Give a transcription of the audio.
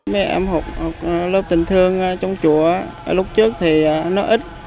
mấy em học lớp tình thương trong chùa lúc trước thì nó ít